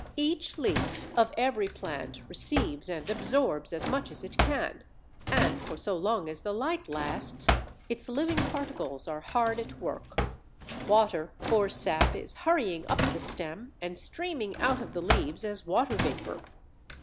Each leaf of every plant receives and absorbs as much as it can, and, for so long as the light lasts, its living particles are hard at work: water or sap is hurrying up the stem and streaming out of the leaves as water vapour.